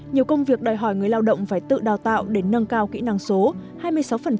nhiều công việc đòi hỏi người lao động phải tự đào tạo để nâng cao kỹ năng số